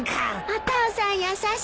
お父さん優しい！